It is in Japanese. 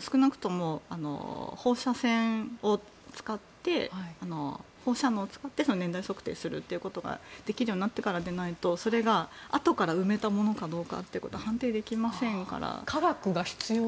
少なくとも放射能を使って年代測定をするということができるようになってからでないとそれがあとから埋めたものかどうかということが科学が必要？